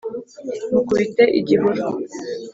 mukubite igihuru.